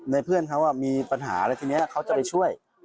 เพื่อนเขามีปัญหาแล้วทีนี้เขาจะไปช่วย